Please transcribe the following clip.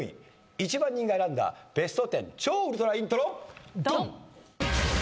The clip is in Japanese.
１万人が選んだベスト１０超ウルトライントロドン！